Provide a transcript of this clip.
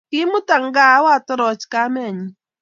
kiimutan gaa awatoroch kamenyin